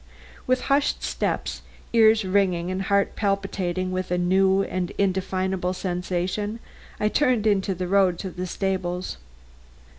With hushed steps, ears ringing and heart palpitating with new and indefinable sensations, I turned into the road to the stables.